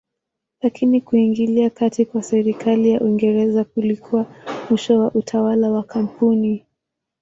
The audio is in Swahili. Lakini kuingilia kati kwa serikali ya Uingereza kulikuwa mwisho wa utawala wa kampuni.